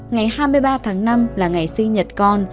ngày hai mươi ba tháng năm là ngày sinh nhật con